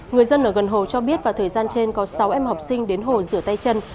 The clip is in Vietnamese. người dân ở gần hồ cho biết vào thời gian trên có sáu em học sinh đến hồ rửa tay chân